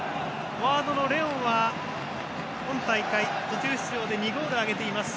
フォワードのレオンは今大会、途中出場で２ゴール挙げています。